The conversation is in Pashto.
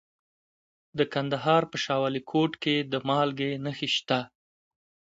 د کندهار په شاه ولیکوټ کې د مالګې نښې شته.